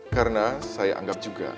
karena saya anggap juga